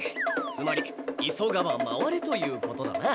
つまり急がば回れということだな。